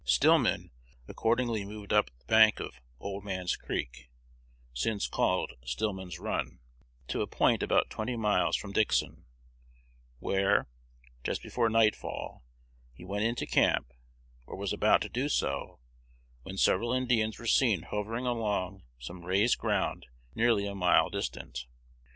Stillman accordingly moved up the bank of "Old Man's Creek" (since called "Stillman's Run"), to a point about twenty miles from Dixon, where, just before nightfall, he went into camp, or was about to do so, when several Indians were seen hovering along some raised ground nearly a mile distant.